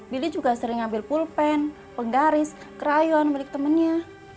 billy juga sering ambil pulpen penggaris crayon milik temennya